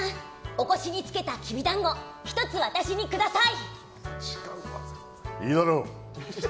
お腰につけたきび団子１つ私にくださーい！